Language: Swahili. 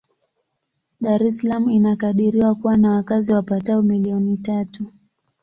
Dar es Salaam inakadiriwa kuwa na wakazi wapatao milioni tatu.